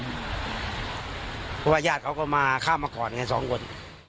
เพราะว่าญาติเขาก็มาข้ามมาก่อนไงสองคน